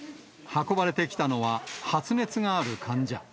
運ばれてきたのは、発熱がある患者。